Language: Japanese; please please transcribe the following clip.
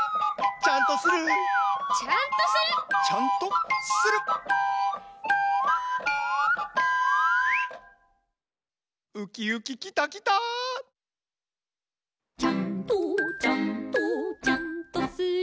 「ちゃんとちゃんとちゃんとする」